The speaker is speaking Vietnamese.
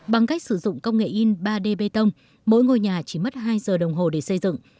bằng cách sử dụng công nghệ in ba d bê tông mỗi ngôi nhà chỉ mất hai giờ đồng hồ để xây dựng